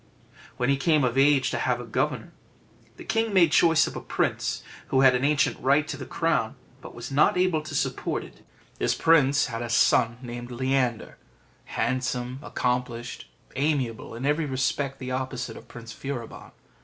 When he came of age to have a governor, the king made choice of a prince who had an ancient right to the crown, but was not able to support it. This prince had a son, named Leander, handsome, accomplished, amiable in every respect the opposite of Prince Furibon.